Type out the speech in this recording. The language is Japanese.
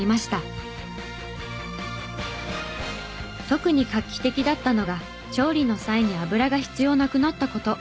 特に画期的だったのが調理の際に油が必要なくなった事。